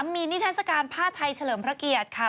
มีนิทัศกาลผ้าไทยเฉลิมพระเกียรติค่ะ